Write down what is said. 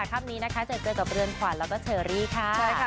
คับนี้นะคะเจอเกิดกับประเด็นขวานแล้วก็เฉอรี่ค่ะใช่ค่ะ